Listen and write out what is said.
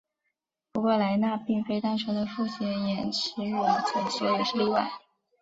不过莱纳并非单纯的复写眼持有者所以是例外。